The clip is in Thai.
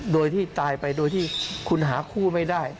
โดยที่ตายไปโดยที่คุณหาคู่ไม่ได้